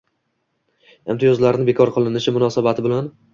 Imtiyozlarni bekor qilinishi munosabati bilan